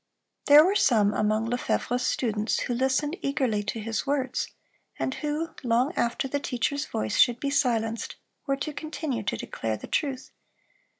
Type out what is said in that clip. (316) There were some among Lefevre's students who listened eagerly to his words, and who, long after the teacher's voice should be silenced, were to continue to declare the truth.